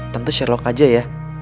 tante sherlock aja ya